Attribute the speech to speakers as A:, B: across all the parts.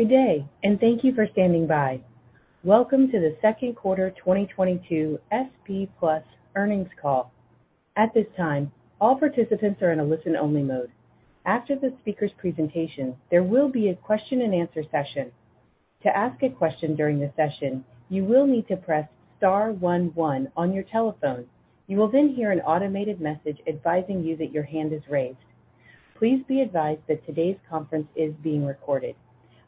A: Good day, and thank you for standing by. Welcome to the Second Quarter 2022 SP Plus Earnings Call. At this time, all participants are in a listen-only mode. After the speaker's presentation, there will be a question-and-answer session. To ask a question during the session, you will need to press star one one on your telephone. You will then hear an automated message advising you that your hand is raised. Please be advised that today's conference is being recorded.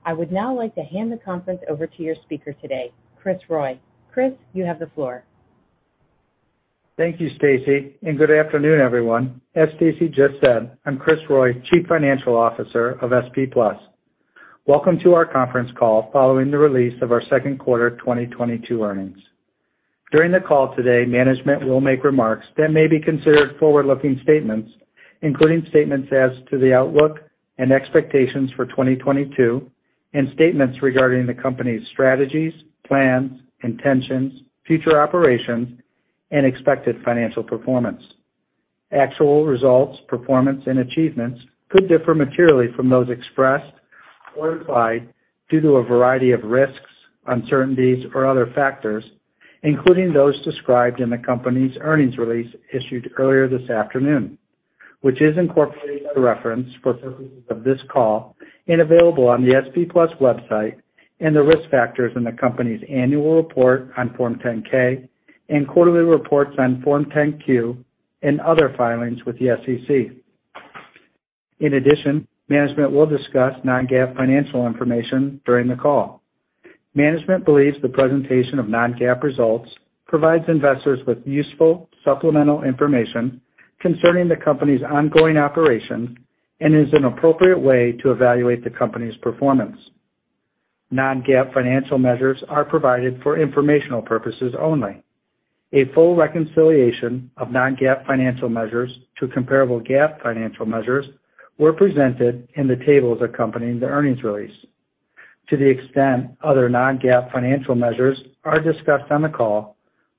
A: I would now like to hand the conference over to your speaker today, Kris Roy. Kris, you have the floor.
B: Thank you, Stacy, and good afternoon, everyone. As Stacy just said, I'm Kris Roy, Chief Financial Officer of SP Plus. Welcome to our conference call following the release of our second quarter 2022 earnings. During the call today, management will make remarks that may be considered forward-looking statements, including statements as to the outlook and expectations for 2022 and statements regarding the company's strategies, plans, intentions, future operations, and expected financial performance. Actual results, performance, and achievements could differ materially from those expressed or implied due to a variety of risks, uncertainties, or other factors, including those described in the company's earnings release issued earlier this afternoon, which is incorporated by reference for purposes of this call and available on the SP Plus website and the risk factors in the company's annual report on Form 10-K and quarterly reports on Form 10-Q and other filings with the SEC. In addition, management will discuss non-GAAP financial information during the call. Management believes the presentation of non-GAAP results provides investors with useful supplemental information concerning the company's ongoing operations and is an appropriate way to evaluate the company's performance. Non-GAAP financial measures are provided for informational purposes only. A full reconciliation of non-GAAP financial measures to comparable GAAP financial measures were presented in the tables accompanying the earnings release. To the extent other non-GAAP financial measures are discussed on the call,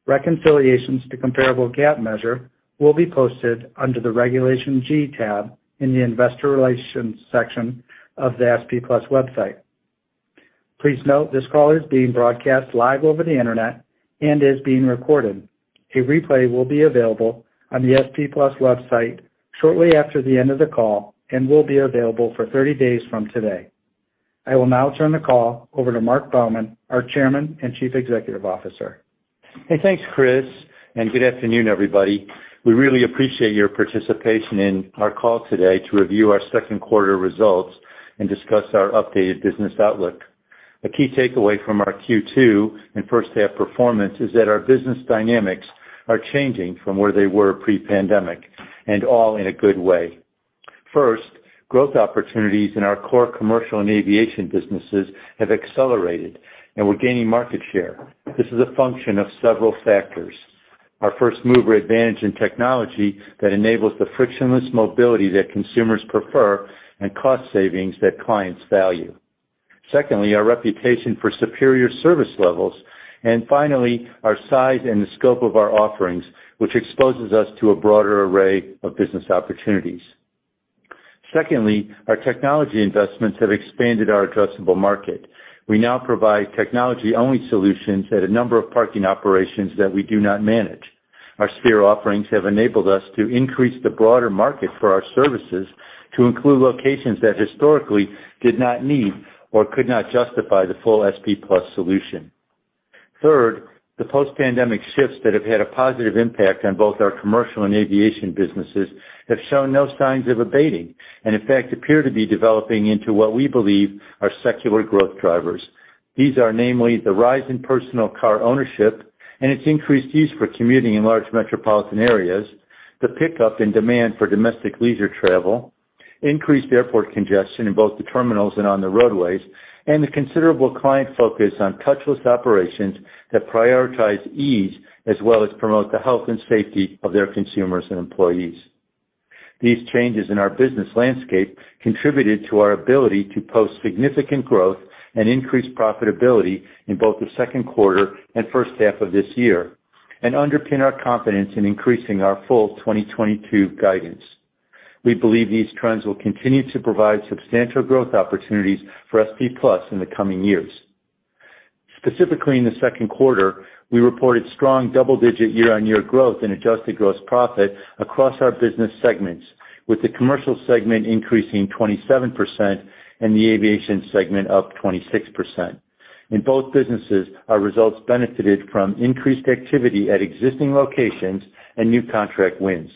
B: reconciliations to comparable GAAP measure will be posted under the Regulation G tab in the investor relations section of the SP Plus website. Please note, this call is being broadcast live over the internet and is being recorded. A replay will be available on the SP Plus website shortly after the end of the call and will be available for 30 days from today. I will now turn the call over to Marc Baumann, our Chairman and Chief Executive Officer.
C: Hey, thanks, Kris, and good afternoon, everybody. We really appreciate your participation in our call today to review our second quarter results and discuss our updated business outlook. A key takeaway from our Q2 and first half performance is that our business dynamics are changing from where they were pre-pandemic and all in a good way. First, growth opportunities in our core commercial and aviation businesses have accelerated and we're gaining market share. This is a function of several factors. Our first-mover advantage in technology that enables the frictionless mobility that consumers prefer and cost savings that clients value. Secondly, our reputation for superior service levels. And finally, our size and the scope of our offerings, which exposes us to a broader array of business opportunities. Secondly, our technology investments have expanded our addressable market. We now provide technology-only solutions at a number of parking operations that we do not manage. Our Sphere offerings have enabled us to increase the broader market for our services to include locations that historically did not need or could not justify the full SP Plus solution. Third, the post-pandemic shifts that have had a positive impact on both our commercial and aviation businesses have shown no signs of abating, and in fact appear to be developing into what we believe are secular growth drivers. These are namely the rise in personal car ownership and its increased use for commuting in large metropolitan areas, the pickup in demand for domestic leisure travel, increased airport congestion in both the terminals and on the roadways, and the considerable client focus on touchless operations that prioritize ease as well as promote the health and safety of their consumers and employees. These changes in our business landscape contributed to our ability to post significant growth and increase profitability in both the second quarter and first half of this year and underpin our confidence in increasing our full 2022 guidance. We believe these trends will continue to provide substantial growth opportunities for SP Plus in the coming years. Specifically in the second quarter, we reported strong double-digit year-on-year growth in adjusted gross profit across our business segments, with the commercial segment increasing 27% and the aviation segment up 26%. In both businesses, our results benefited from increased activity at existing locations and new contract wins.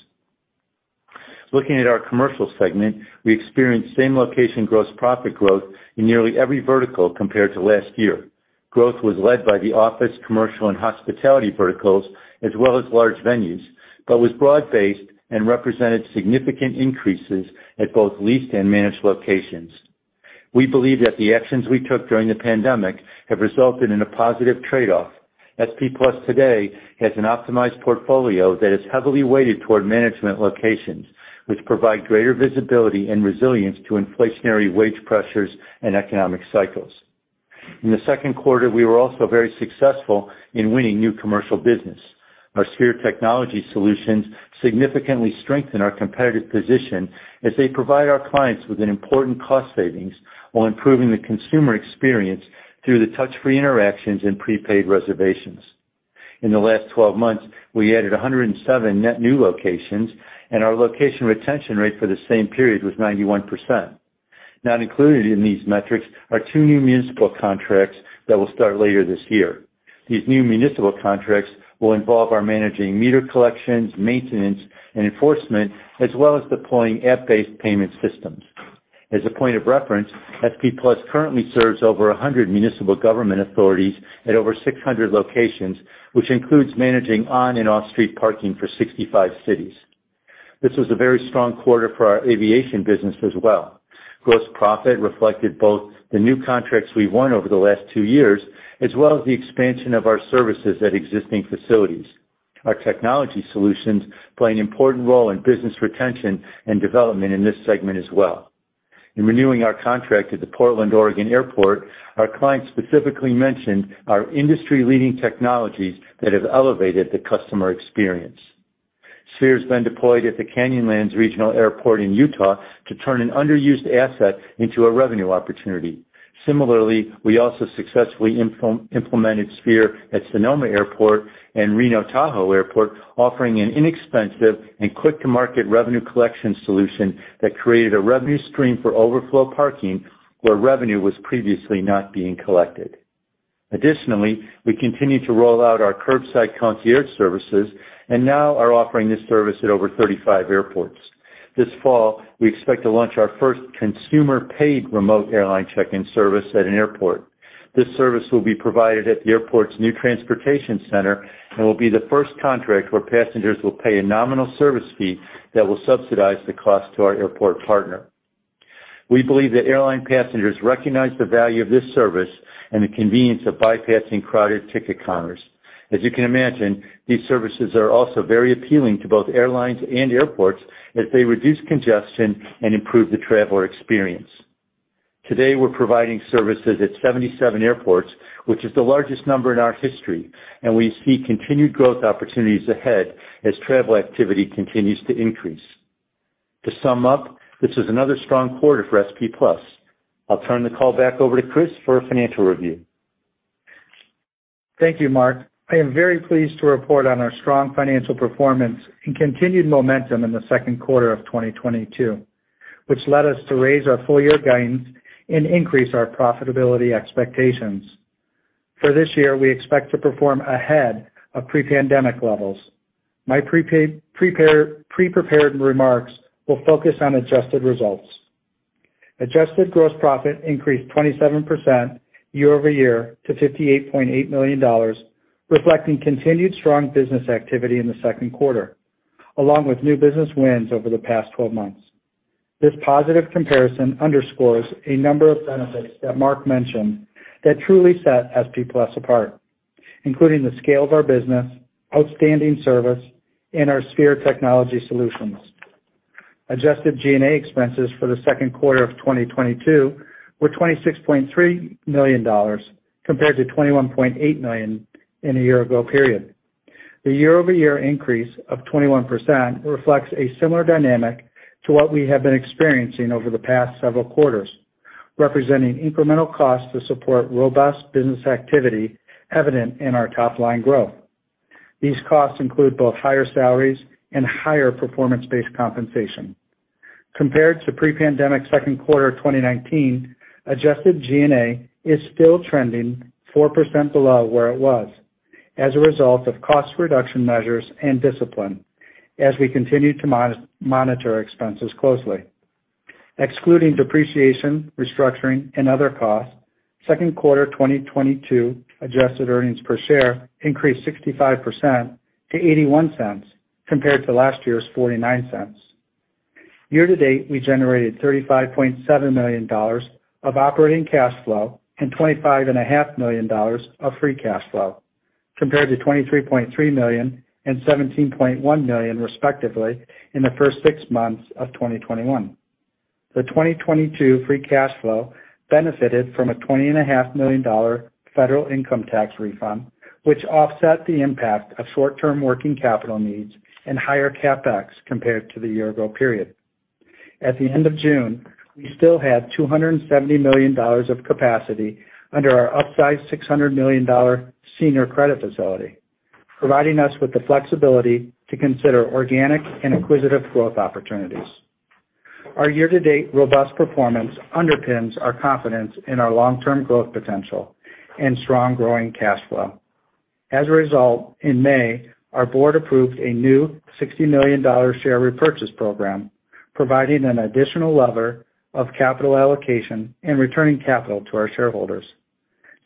C: Looking at our commercial segment, we experienced same-location gross profit growth in nearly every vertical compared to last year. Growth was led by the office, commercial, and hospitality protocols as well as large venues, but was broad-based and represented significant increases at both leased and managed locations. We believe that the actions we took during the pandemic have resulted in a positive trade-off. SP Plus today has an optimized portfolio that is heavily weighted toward management locations, which provide greater visibility and resilience to inflationary wage pressures and economic cycles. In the second quarter, we were also very successful in winning new commercial business. Our Sphere technology solutions significantly strengthen our competitive position as they provide our clients with an important cost savings while improving the consumer experience through the touch-free interactions and prepaid reservations. In the last 12 months, we added 107 net new locations, and our location retention rate for the same period was 91%. Not included in these metrics are two new municipal contracts that will start later this year. These new municipal contracts will involve our managing meter collections, maintenance, and enforcement, as well as deploying app-based payment systems. As a point of reference, SP Plus currently serves over 100 municipal government authorities at over 600 locations, which includes managing on and off-street parking for 65 cities. This was a very strong quarter for our aviation business as well. Gross profit reflected both the new contracts we won over the last two years as well as the expansion of our services at existing facilities. Our technology solutions play an important role in business retention and development in this segment as well. In renewing our contract at the Portland Oregon Airport, our client specifically mentioned our industry-leading technologies that have elevated the customer experience. Sphere has been deployed at the Canyonlands Regional Airport in Utah to turn an underused asset into a revenue opportunity. Similarly, we also successfully implemented Sphere at Sonoma Airport and Reno Tahoe Airport, offering an inexpensive and quick-to-market revenue collection solution that created a revenue stream for overflow parking where revenue was previously not being collected. Additionally, we continue to roll out our Curbside Concierge services and now are offering this service at over 35 airports. This fall, we expect to launch our first consumer-paid remote airline check-in service at an airport. This service will be provided at the airport's new transportation center and will be the first contract where passengers will pay a nominal service fee that will subsidize the cost to our airport partner. We believe that airline passengers recognize the value of this service and the convenience of bypassing crowded ticket counters. As you can imagine, these services are also very appealing to both airlines and airports as they reduce congestion and improve the traveler experience. Today, we're providing services at 77 airports, which is the largest number in our history, and we see continued growth opportunities ahead as travel activity continues to increase. To sum up, this is another strong quarter for SP Plus. I'll turn the call back over to Kris for a financial review.
B: Thank you, Marc. I am very pleased to report on our strong financial performance and continued momentum in the second quarter of 2022, which led us to raise our full-year guidance and increase our profitability expectations. For this year, we expect to perform ahead of pre-pandemic levels. My pre-prepared remarks will focus on adjusted results. Adjusted gross profit increased 27% year-over-year to $58.8 million, reflecting continued strong business activity in the second quarter, along with new business wins over the past 12 months. This positive comparison underscores a number of benefits that Marc mentioned that truly set SP Plus apart, including the scale of our business, outstanding service, and our Sphere technology solutions. Adjusted G&A expenses for the second quarter of 2022 were $26.3 million compared to $21.8 million in the year-ago period. The year-over-year increase of 21% reflects a similar dynamic to what we have been experiencing over the past several quarters, representing incremental costs to support robust business activity evident in our top-line growth. These costs include both higher salaries and higher performance-based compensation. Compared to pre-pandemic second quarter of 2019, adjusted G&A is still trending 4% below where it was as a result of cost reduction measures and discipline as we continue to monitor expenses closely. Excluding depreciation, restructuring, and other costs, second quarter 2022 adjusted earnings per share increased 65% to $0.81 compared to last year's $0.49. Year to date, we generated $35.7 million of operating cash flow and $25.5 million of free cash flow compared to $23.3 million and $17.1 million, respectively, in the first six months of 2021. The 2022 free cash flow benefited from a $20.5 million federal income tax refund, which offset the impact of short-term working capital needs and higher CapEx compared to the year ago period. At the end of June, we still had $270 million of capacity under our upsized $600 million senior credit facility, providing us with the flexibility to consider organic and acquisitive growth opportunities. Our year-to-date robust performance underpins our confidence in our long-term growth potential and strong growing cash flow. As a result, in May, our board approved a new $60 million share repurchase program, providing an additional lever of capital allocation and returning capital to our shareholders.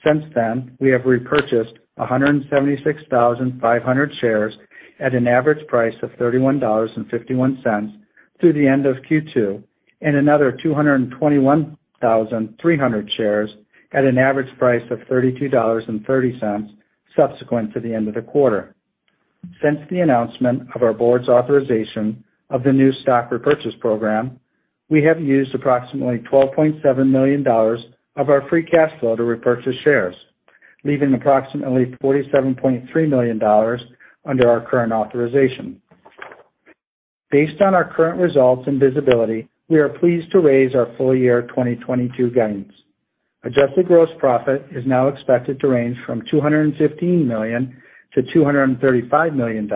B: Since then, we have repurchased 176,500 shares at an average price of $31.51 through the end of Q2, and another 221,300 shares at an average price of $32.30 subsequent to the end of the quarter. Since the announcement of our board's authorization of the new stock repurchase program, we have used approximately $12.7 million of our free cash flow to repurchase shares, leaving approximately $47.3 million under our current authorization. Based on our current results and visibility, we are pleased to raise our full year 2022 guidance. Adjusted gross profit is now expected to range from $215 million-$235 million,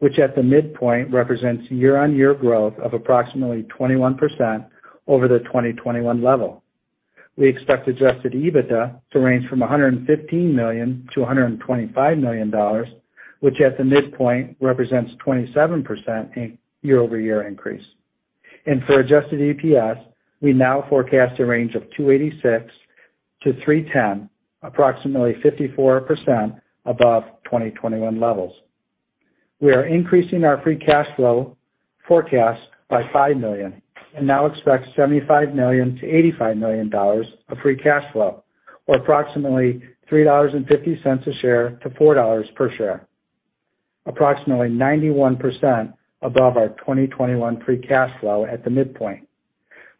B: which at the midpoint represents year-on-year growth of approximately 21% over the 2021 level. We expect adjusted EBITDA to range from $115 million-$125 million, which at the midpoint represents 27% year-over-year increase. For adjusted EPS, we now forecast a range of $2.86-$3.10, approximately 54% above 2021 levels. We are increasing our free cash flow forecast by $5 million and now expect $75 million-$85 million of free cash flow or approximately $3.50 a share-$4 per share. Approximately 91% above our 2021 free cash flow at the midpoint.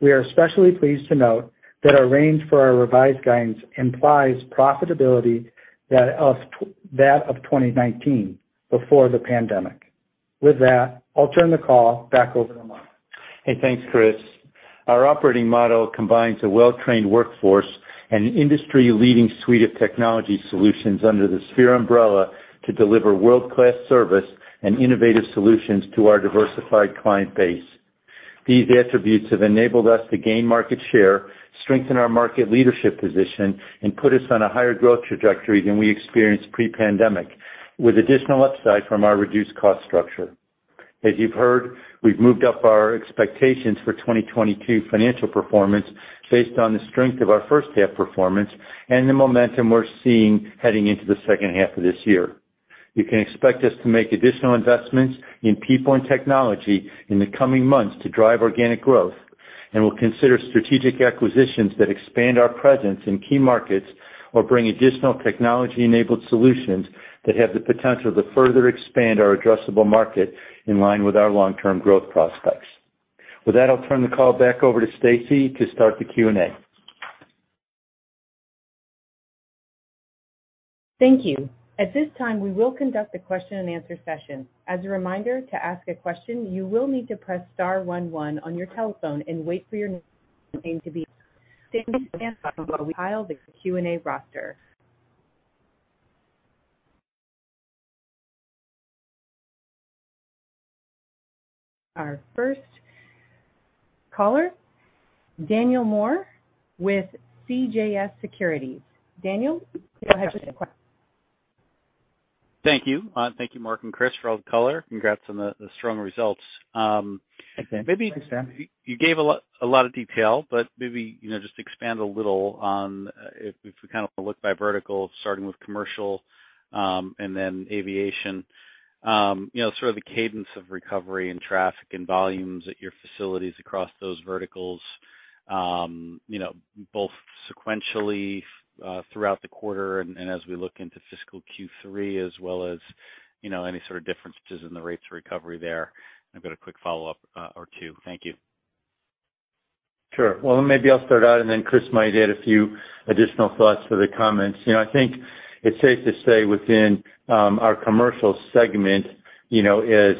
B: We are especially pleased to note that our range for our revised guidance implies profitability that of that of 2019 before the pandemic. With that, I'll turn the call back over to Marc.
C: Hey, thanks, Kris. Our operating model combines a well-trained workforce and industry-leading suite of technology solutions under the Sphere umbrella to deliver world-class service and innovative solutions to our diversified client base. These attributes have enabled us to gain market share, strengthen our market leadership position, and put us on a higher growth trajectory than we experienced pre-pandemic, with additional upside from our reduced cost structure. As you've heard, we've moved up our expectations for 2022 financial performance based on the strength of our first half performance and the momentum we're seeing heading into the second half of this year. You can expect us to make additional investments in people and technology in the coming months to drive organic growth, and we'll consider strategic acquisitions that expand our presence in key markets or bring additional technology-enabled solutions that have the potential to further expand our addressable market in line with our long-term growth prospects. With that, I'll turn the call back over to Stacy to start the Q&A.
A: Thank you. At this time, we will conduct a question-and-answer session. As a reminder, to ask a question, you will need to press star one one on your telephone and wait for your name to be stated on the Q&A roster. Our first caller, Daniel Moore with CJS Securities. Daniel, go ahead with your question.
D: Thank you. Thank you, Marc and Kris, for all the color. Congrats on the strong results.
C: Thanks, Dan.
B: Thanks, Dan.
D: Maybe you gave a lot of detail, but maybe, you know, just expand a little on if we kinda look by vertical, starting with commercial, and then aviation. You know, sort of the cadence of recovery and traffic and volumes at your facilities across those verticals. You know, both sequentially throughout the quarter and as we look into fiscal Q3 as well as, you know, any sort of differences in the rates of recovery there. I've got a quick follow-up or two. Thank you.
C: Sure. Well, maybe I'll start out, and then Kris might add a few additional thoughts to the comments. You know, I think it's safe to say within our commercial segment, you know, as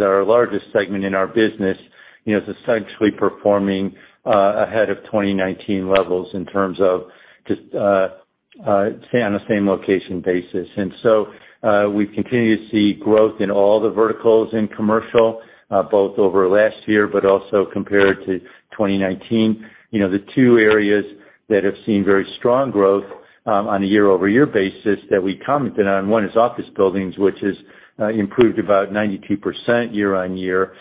C: our largest segment in our business, you know, it's essentially performing ahead of 2019 levels in terms of just stay on the same location basis. We continue to see growth in all the verticals in commercial both over last year, but also compared to 2019. You know, the two areas that have seen very strong growth on a year-over-year basis that we commented on, one is office buildings, which is improved about 92% year-over-year.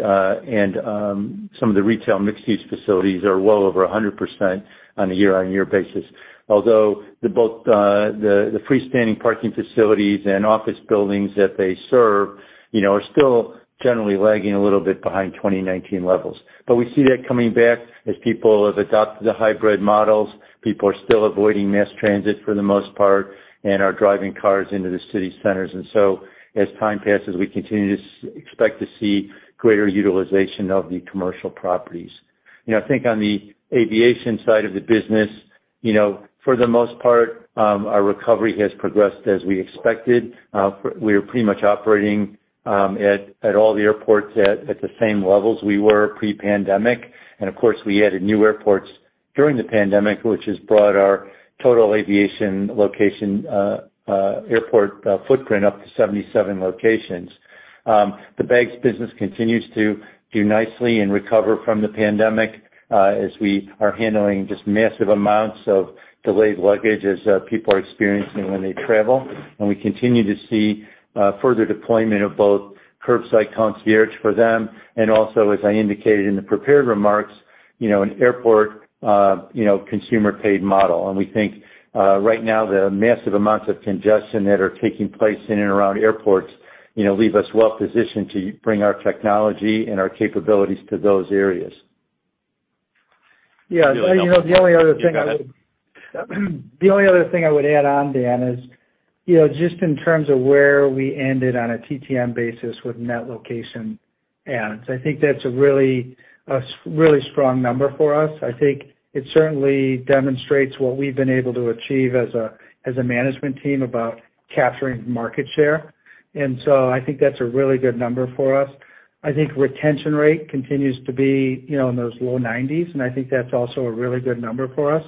C: Some of the retail mixed-use facilities are well over 100% on a year-over-year basis. Although both the freestanding parking facilities and office buildings that they serve, you know, are still generally lagging a little bit behind 2019 levels. We see that coming back as people have adopted the hybrid models, people are still avoiding mass transit for the most part and are driving cars into the city centers. As time passes, we continue to expect to see greater utilization of the commercial properties. You know, I think on the aviation side of the business, you know, for the most part, our recovery has progressed as we expected. We are pretty much operating at all the airports at the same levels we were pre-pandemic. Of course, we added new airports during the pandemic, which has brought our total aviation location airport footprint up to 77 locations. The Bags business continues to do nicely and recover from the pandemic, as we are handling just massive amounts of delayed luggage as people are experiencing when they travel. We continue to see further deployment of both Curbside Concierge for them and also, as I indicated in the prepared remarks, you know, an airport, you know, consumer-paid model. We think right now the massive amounts of congestion that are taking place in and around airports, you know, leave us well positioned to bring our technology and our capabilities to those areas.
B: Yeah. You know, the only other thing I would.
D: You got it.
B: The only other thing I would add on, Dan, is, you know, just in terms of where we ended on a TTM basis with net location adds, I think that's a really strong number for us. I think it certainly demonstrates what we've been able to achieve as a management team about capturing market share. I think that's a really good number for us. I think retention rate continues to be, you know, in the low 90s%, and I think that's also a really good number for us.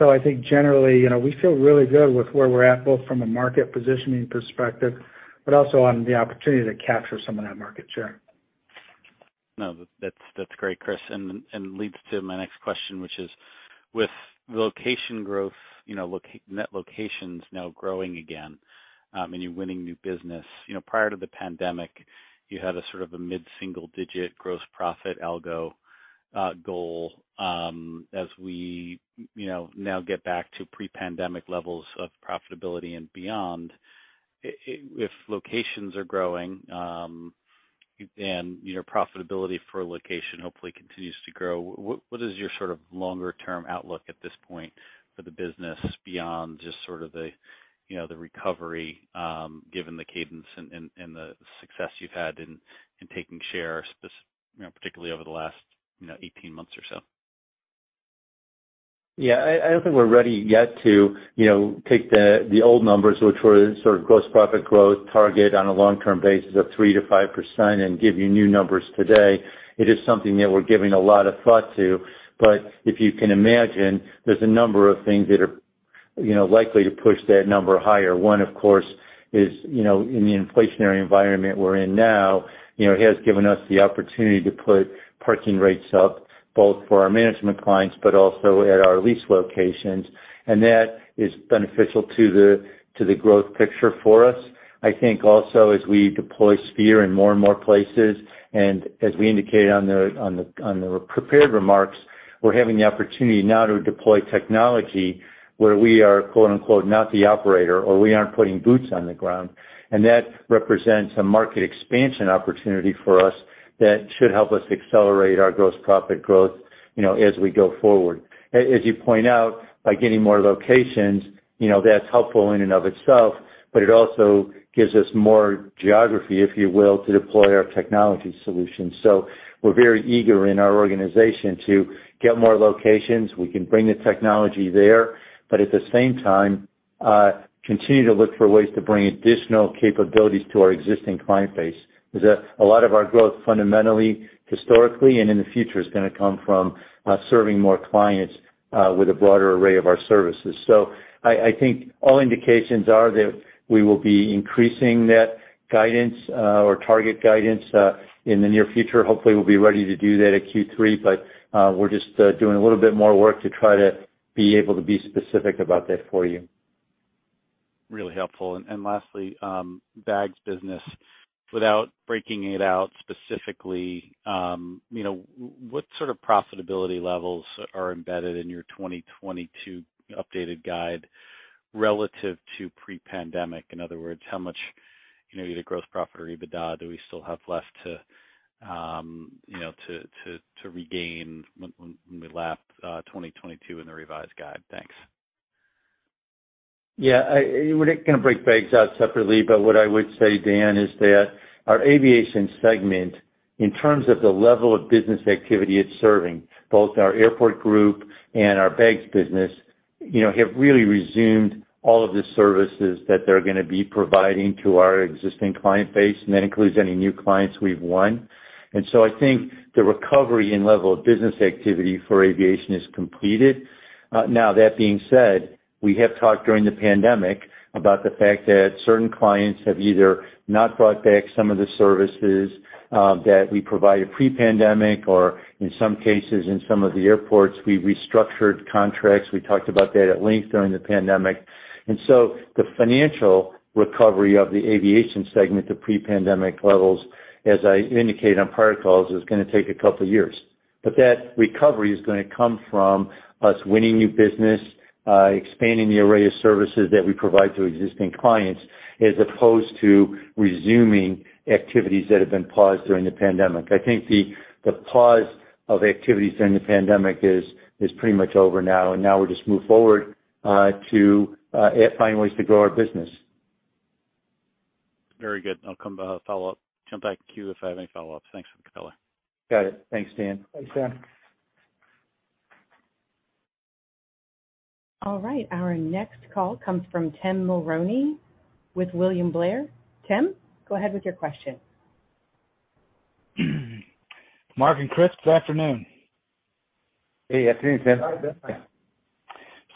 B: I think generally, you know, we feel really good with where we're at, both from a market positioning perspective, but also on the opportunity to capture some of that market share.
D: No, that's great, Kris, and leads to my next question, which is, with location growth, you know, net locations now growing again, and you're winning new business, you know, prior to the pandemic, you had a sort of a mid-single digit gross profit growth goal. As we, you know, now get back to pre-pandemic levels of profitability and beyond, if locations are growing, and your profitability per location hopefully continues to grow, what is your sort of longer term outlook at this point for the business beyond just sort of the, you know, the recovery, given the cadence and the success you've had in taking shares, you know, particularly over the last, you know, 18 months or so?
C: Yeah, I don't think we're ready yet to, you know, take the old numbers, which were sort of gross profit growth target on a long-term basis of 3%-5% and give you new numbers today. It is something that we're giving a lot of thought to. If you can imagine, there's a number of things that are, you know, likely to push that number higher. One, of course, is, you know, in the inflationary environment we're in now, you know, it has given us the opportunity to put parking rates up, both for our management clients, but also at our lease locations. That is beneficial to the growth picture for us. I think also as we deploy Sphere in more and more places, and as we indicated on the prepared remarks, we're having the opportunity now to deploy technology where we are, quote-unquote, "not the operator," or we aren't putting boots on the ground. That represents a market expansion opportunity for us that should help us accelerate our gross profit growth, you know, as we go forward. As you point out, by getting more locations, you know, that's helpful in and of itself, but it also gives us more geography, if you will, to deploy our technology solutions. We're very eager in our organization to get more locations. We can bring the technology there, but at the same time, continue to look for ways to bring additional capabilities to our existing client base. Is that a lot of our growth fundamentally, historically, and in the future is gonna come from serving more clients with a broader array of our services. I think all indications are that we will be increasing that guidance or target guidance in the near future. Hopefully, we'll be ready to do that at Q3, but we're just doing a little bit more work to try to be able to be specific about that for you.
D: Really helpful. Lastly, Bags business. Without breaking it out specifically, you know, what sort of profitability levels are embedded in your 2022 updated guide relative to pre-pandemic? In other words, how much, you know, either gross profit or EBITDA do we still have left to, you know, to regain when we lapped 2022 in the revised guide? Thanks.
C: Yeah. We're not gonna break Bags out separately, but what I would say, Dan, is that our aviation segment, in terms of the level of business activity it's serving, both our airport group and our Bags business, you know, have really resumed all of the services that they're gonna be providing to our existing client base, and that includes any new clients we've won. I think the recovery and level of business activity for aviation is completed. Now, that being said, we have talked during the pandemic about the fact that certain clients have either not brought back some of the services that we provided pre-pandemic or in some cases, in some of the airports, we restructured contracts. We talked about that at length during the pandemic. The financial recovery of the aviation segment to pre-pandemic levels, as I indicated on prior calls, is gonna take a couple years. That recovery is gonna come from us winning new business, expanding the array of services that we provide to existing clients, as opposed to resuming activities that have been paused during the pandemic. I think the pause of activities during the pandemic is pretty much over now, and now we just move forward to find ways to grow our business.
D: Very good. I'll come follow up, jump back in queue if I have any follow-up. Thanks.
C: Got it. Thanks, Dan.
B: Thanks, Dan.
A: All right. Our next call comes from Tim Mulrooney with William Blair. Tim, go ahead with your question.
E: Marc and Kris, good afternoon.
B: Hey, afternoon, Tim. Hi,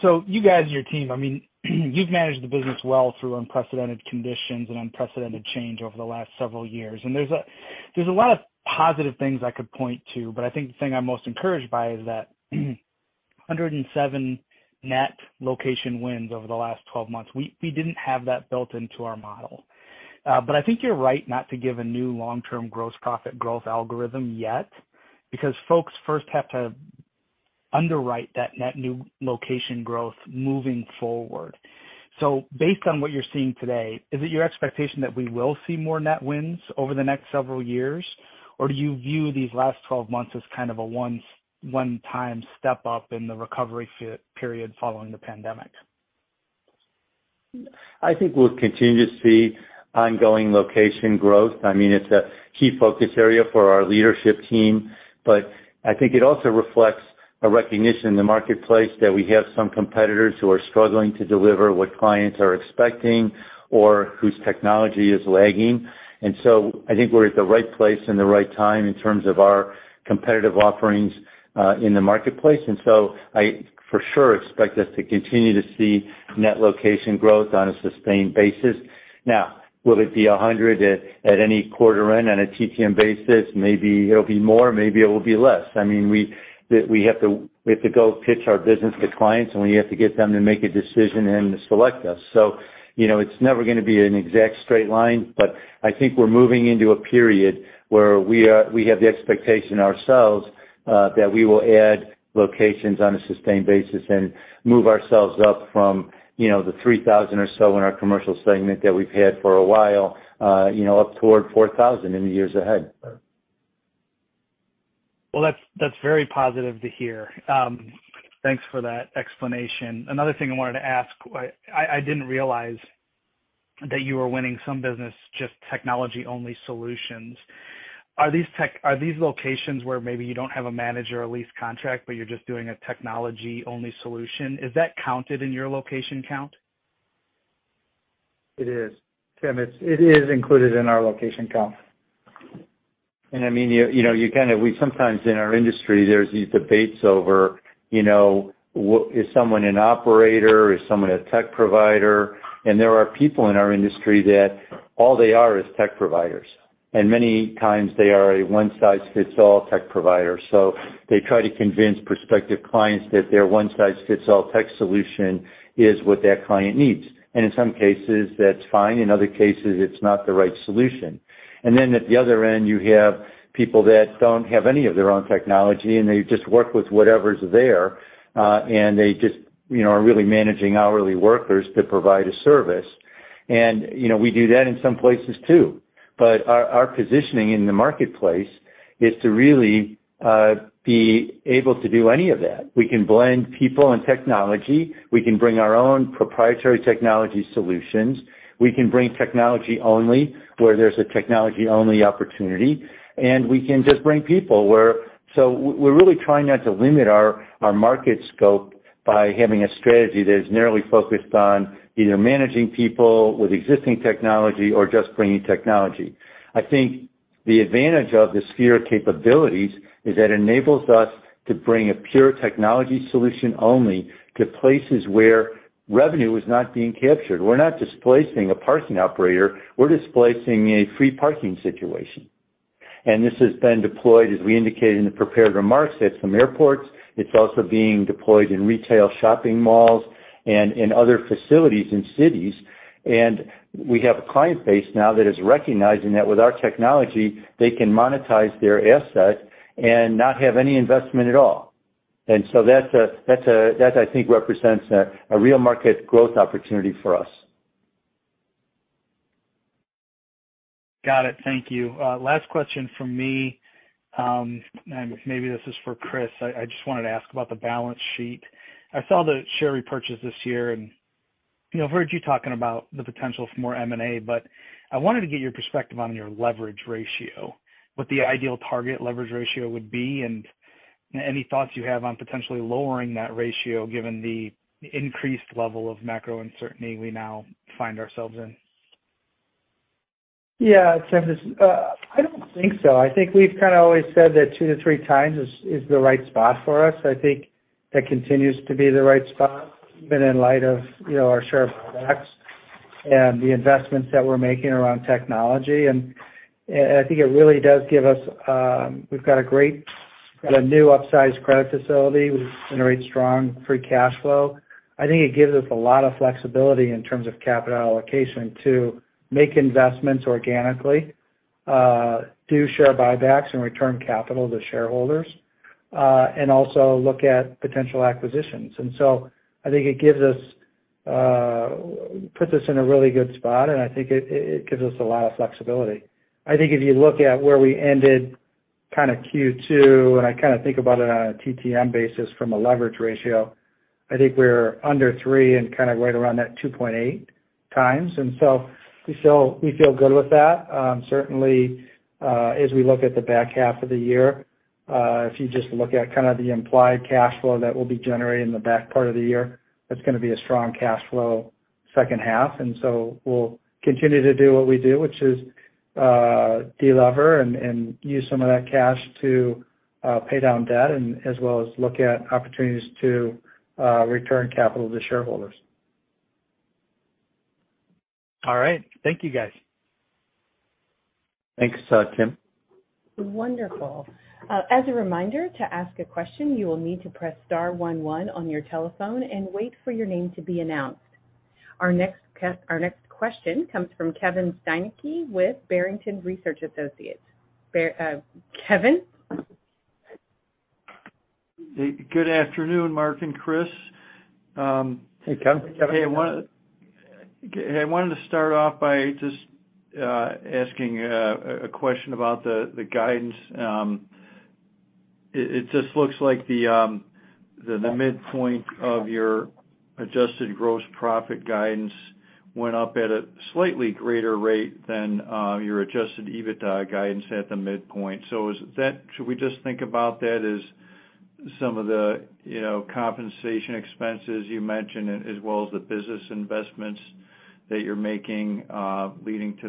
B: Tim.
E: You guys and your team, I mean, you've managed the business well through unprecedented conditions and unprecedented change over the last several years. There's a lot of positive things I could point to, but I think the thing I'm most encouraged by is that 107 net location wins over the last 12 months. We didn't have that built into our model. But I think you're right not to give a new long-term gross profit growth algorithm yet because folks first have to underwrite that net new location growth moving forward. Based on what you're seeing today, is it your expectation that we will see more net wins over the next several years? Or do you view these last 12 months as kind of a one-time step up in the recovery period following the pandemic?
C: I think we'll continue to see ongoing location growth. I mean, it's a key focus area for our leadership team, but I think it also reflects a recognition in the marketplace that we have some competitors who are struggling to deliver what clients are expecting or whose technology is lagging. I think we're at the right place and the right time in terms of our competitive offerings, in the marketplace. I for sure, expect us to continue to see net location growth on a sustained basis. Now, will it be 100 at any quarter end on a TTM basis? Maybe it'll be more, maybe it will be less. I mean, we have to go pitch our business to clients, and we have to get them to make a decision and select us. You know, it's never gonna be an exact straight line, but I think we're moving into a period where we have the expectation ourselves that we will add locations on a sustained basis and move ourselves up from, you know, the 3,000 or so in our commercial segment that we've had for a while, you know, up toward 4,000 in the years ahead.
E: Well, that's very positive to hear. Thanks for that explanation. Another thing I wanted to ask. I didn't realize that you were winning some business, just technology-only solutions. Are these locations where maybe you don't have a manager or a lease contract, but you're just doing a technology-only solution? Is that counted in your location count? It is. Tim, it is included in our location count.
C: I mean, you know, we sometimes in our industry, there's these debates over, you know, is someone an operator? Is someone a tech provider? There are people in our industry that all they are is tech providers. Many times they are a one size fits all tech provider. They try to convince prospective clients that their one size fits all tech solution is what that client needs. In some cases, that's fine. In other cases, it's not the right solution. Then at the other end, you have people that don't have any of their own technology, and they just work with whatever's there, and they just, you know, are really managing hourly workers to provide a service. You know, we do that in some places too. Our positioning in the marketplace is to really be able to do any of that. We can blend people and technology. We can bring our own proprietary technology solutions. We can bring technology only where there's a technology-only opportunity. We're really trying not to limit our market scope by having a strategy that is narrowly focused on either managing people with existing technology or just bringing technology. I think the advantage of the Sphere capabilities is that it enables us to bring a pure technology solution only to places where revenue is not being captured. We're not displacing a parking operator, we're displacing a free parking situation. This has been deployed, as we indicated in the prepared remarks, at some airports. It's also being deployed in retail shopping malls and in other facilities in cities. We have a client base now that is recognizing that with our technology, they can monetize their asset and not have any investment at all. That I think represents a real market growth opportunity for us.
E: Got it. Thank you. Last question from me, and maybe this is for Kris. I just wanted to ask about the balance sheet. I saw the share repurchase this year, and, you know, I've heard you talking about the potential for more M&A, but I wanted to get your perspective on your leverage ratio, what the ideal target leverage ratio would be, and any thoughts you have on potentially lowering that ratio given the increased level of macro uncertainty we now find ourselves in. Yeah. Tim, I don't think so. I think we've kinda always said that two-three times is the right spot for us. I think that continues to be the right spot, even in light of, you know, our share buybacks and the investments that we're making around technology. I think it really does give us.
B: We've got a new upsized credit facility. We generate strong free cash flow. I think it gives us a lot of flexibility in terms of capital allocation to make investments organically, do share buybacks and return capital to shareholders, and also look at potential acquisitions. I think it puts us in a really good spot, and I think it gives us a lot of flexibility. I think if you look at where we ended kinda Q2, and I kinda think about it on a TTM basis from a leverage ratio, I think we're under three and kinda right around that 2.8x. We feel good with that. Certainly, as we look at the back half of the year, if you just look at kinda the implied cash flow that we'll be generating in the back part of the year, that's gonna be a strong cash flow second half. We'll continue to do what we do, which is, de-lever and use some of that cash to pay down debt and as well as look at opportunities to return capital to shareholders.
E: All right. Thank you, guys.
C: Thanks, Tim.
A: Wonderful. As a reminder, to ask a question, you will need to press star one one on your telephone and wait for your name to be announced. Our next question comes from Kevin Steinke with Barrington Research Associates. Kevin?
F: Hey, good afternoon, Marc and Kris.
C: Hey, Kevin.
F: I wanted to start off by just asking a question about the guidance. It just looks like the midpoint of your adjusted gross profit guidance went up at a slightly greater rate than your adjusted EBITDA guidance at the midpoint. Should we just think about that as some of the, you know, compensation expenses you mentioned, as well as the business investments that you're making, leading to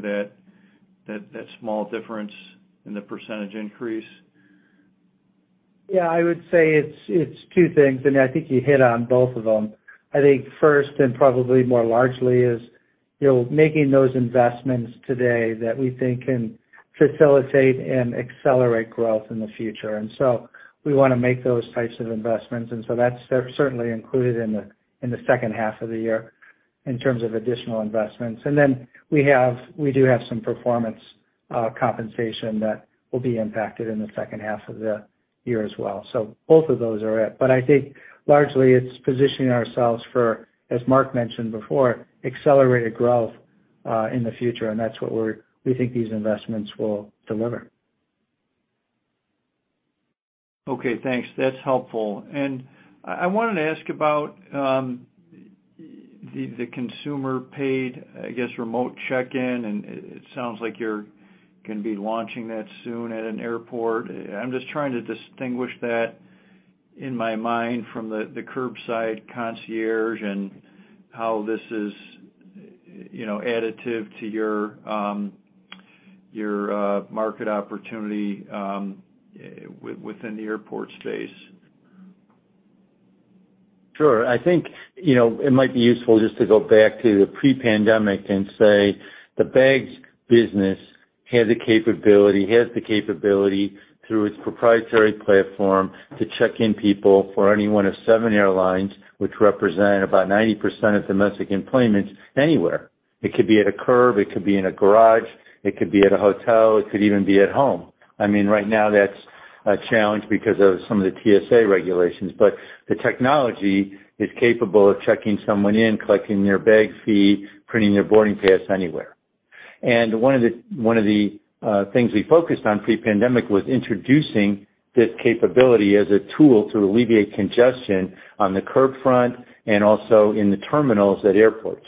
F: that small difference in the percentage increase?
B: Yeah, I would say it's two things, and I think you hit on both of them. I think first and probably more largely is, you know, making those investments today that we think can facilitate and accelerate growth in the future. We want to make those types of investments, and that's, they're certainly included in the second half of the year in terms of additional investments. We do have some performance compensation that will be impacted in the second half of the year as well. Both of those are it. I think largely it's positioning ourselves for, as Marc mentioned before, accelerated growth in the future, and that's what we think these investments will deliver.
F: Okay, thanks. That's helpful. I wanted to ask about the consumer-paid, I guess, remote check-in, and it sounds like you're gonna be launching that soon at an airport. I'm just trying to distinguish that in my mind from the Curbside Concierge and how this is, you know, additive to your market opportunity within the airport space.
C: Sure. I think, you know, it might be useful just to go back to pre-pandemic and say the Bags business has the capability through its proprietary platform to check in people for any one of seven airlines, which represent about 90% of domestic enplanements anywhere. It could be at a curb, it could be in a garage, it could be at a hotel, it could even be at home. I mean, right now that's a challenge because of some of the TSA regulations. But the technology is capable of checking someone in, collecting their bag fee, printing their boarding pass anywhere. One of the things we focused on pre-pandemic was introducing this capability as a tool to alleviate congestion on the curb front and also in the terminals at airports.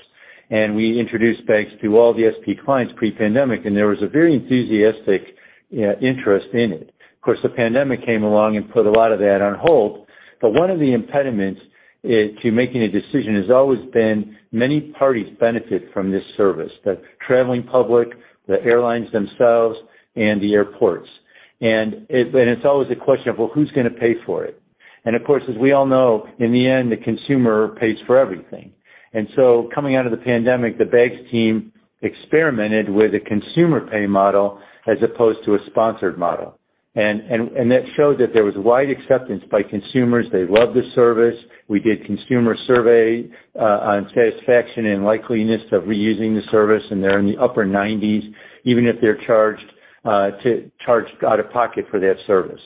C: We introduced Bags to all the SP Plus clients pre-pandemic, and there was a very enthusiastic interest in it. Of course, the pandemic came along and put a lot of that on hold, but one of the impediments to making a decision has always been many parties benefit from this service, the traveling public, the airlines themselves, and the airports. It's always a question of, well, who's gonna pay for it? Of course, as we all know, in the end, the consumer pays for everything. Coming out of the pandemic, the Bags team experimented with a consumer pay model as opposed to a sponsored model. That showed that there was wide acceptance by consumers. They love the service. We did consumer survey on satisfaction and likeliness of reusing the service, and they're in the upper 90s%, even if they're charged out of pocket for that service.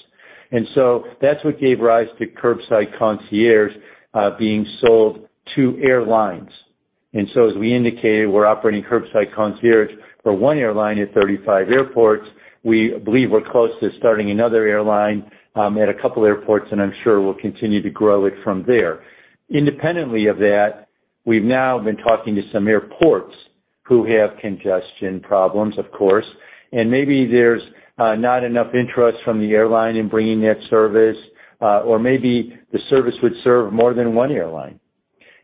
C: That's what gave rise to Curbside Concierge being sold to airlines. As we indicated, we're operating Curbside Concierge for one airline at 35 airports. We believe we're close to starting another airline at a couple airports, and I'm sure we'll continue to grow it from there. Independently of that, we've now been talking to some airports who have congestion problems, of course. Maybe there's not enough interest from the airline in bringing that service, or maybe the service would serve more than one airline.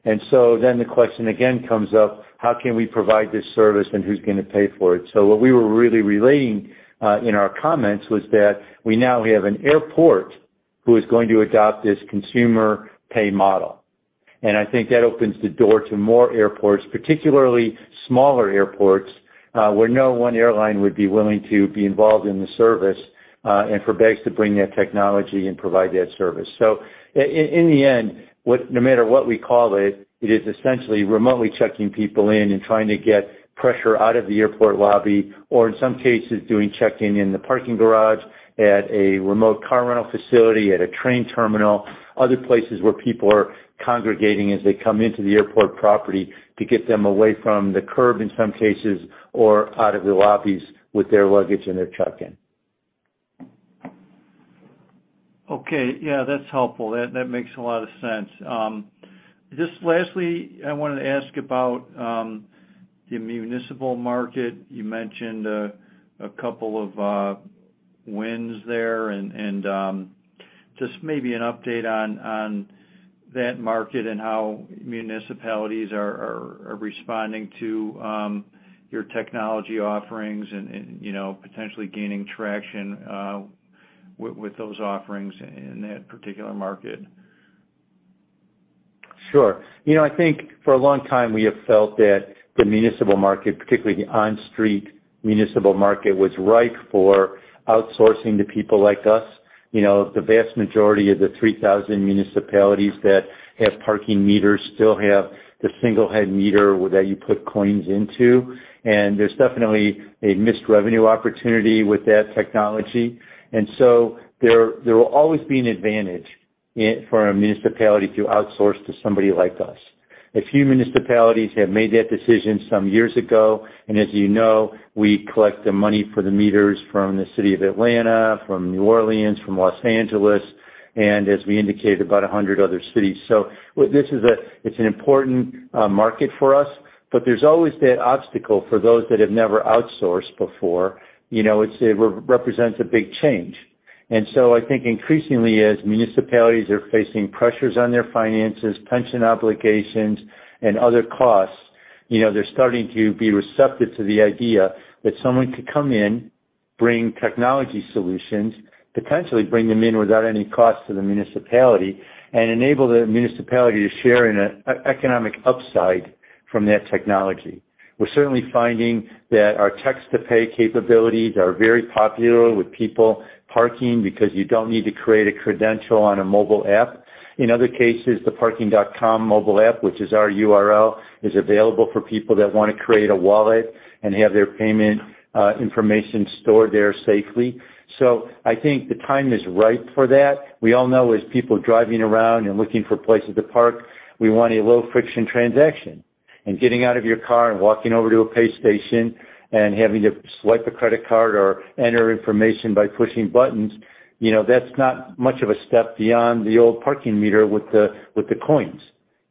C: The question again comes up, how can we provide this service, and who's gonna pay for it? What we were really relaying in our comments was that we now have an airport who is going to adopt this consumer pay model. I think that opens the door to more airports, particularly smaller airports, where no one airline would be willing to be involved in the service, and for Bags to bring that technology and provide that service. In the end, no matter what we call it is essentially remotely checking people in and trying to get pressure out of the airport lobby or in some cases, doing check-in in the parking garage, at a remote car rental facility, at a train terminal, other places where people are congregating as they come into the airport property to get them away from the curb in some cases or out of the lobbies with their luggage and their check-in.
F: Okay. Yeah, that's helpful. That makes a lot of sense. Just lastly, I wanted to ask about the municipal market. You mentioned a couple of wins there and just maybe an update on that market and how municipalities are responding to your technology offerings and you know, potentially gaining traction with those offerings in that particular market.
C: Sure. You know, I think for a long time we have felt that the municipal market, particularly the on-street municipal market, was ripe for outsourcing to people like us. You know, the vast majority of the 3,000 municipalities that have parking meters still have the single-head meter that you put coins into, and there's definitely a missed revenue opportunity with that technology. There will always be an advantage for a municipality to outsource to somebody like us. A few municipalities have made that decision some years ago. As you know, we collect the money for the meters from the city of Atlanta, from New Orleans, from Los Angeles, and as we indicated, about 100 other cities. This is an important market for us, but there's always that obstacle for those that have never outsourced before. You know, it represents a big change. I think increasingly, as municipalities are facing pressures on their finances, pension obligations, and other costs, you know, they're starting to be receptive to the idea that someone could come in, bring technology solutions, potentially bring them in without any cost to the municipality and enable the municipality to share in an economic upside from that technology. We're certainly finding that our text-to-pay capabilities are very popular with people parking because you don't need to create a credential on a mobile app. In other cases, the Parking.com mobile app, which is our URL, is available for people that wanna create a wallet and have their payment information stored there safely. I think the time is right for that. We all know as people driving around and looking for places to park, we want a low-friction transaction. Getting out of your car and walking over to a pay station and having to swipe a credit card or enter information by pushing buttons, you know, that's not much of a step beyond the old parking meter with the coins.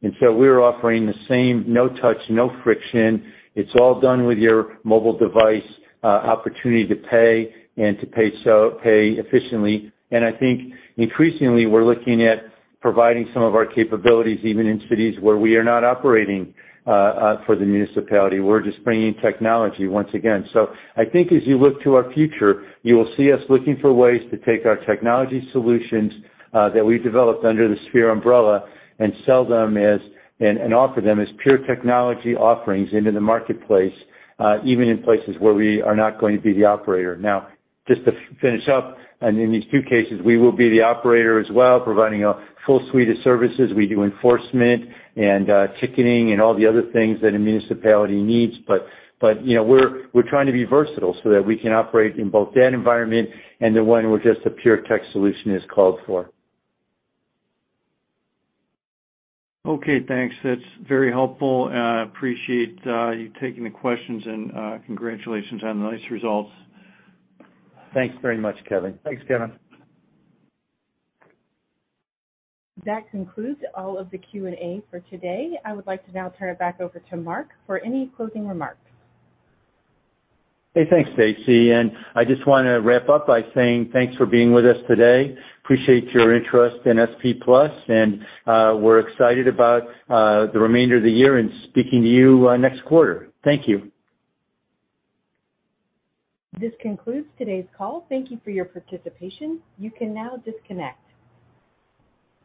C: We're offering the same no touch, no friction. It's all done with your mobile device, opportunity to pay efficiently. I think increasingly, we're looking at providing some of our capabilities even in cities where we are not operating for the municipality. We're just bringing technology once again. I think as you look to our future, you will see us looking for ways to take our technology solutions that we've developed under the Sphere umbrella and sell them and offer them as pure technology offerings into the marketplace, even in places where we are not going to be the operator. Now, just to finish up, in these two cases, we will be the operator as well, providing a full suite of services. We do enforcement and ticketing and all the other things that a municipality needs. But you know, we're trying to be versatile so that we can operate in both that environment and the one where just a pure tech solution is called for.
F: Okay, thanks. That's very helpful. Appreciate you taking the questions and congratulations on the nice results.
C: Thanks very much, Kevin.
B: Thanks, Kevin.
A: That concludes all of the Q&A for today. I would like to now turn it back over to Marc Baumann for any closing remarks.
C: Hey, thanks, Stacy. I just wanna wrap up by saying thanks for being with us today. Appreciate your interest in SP Plus. We're excited about the remainder of the year and speaking to you next quarter. Thank you.
A: This concludes today's call. Thank you for your participation. You can now disconnect.